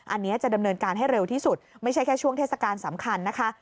อันนี้จะดำเนินการให้เร็วที่สุดไม่ใช่แค่ช่วงเทศกาลสำคัญนะคะ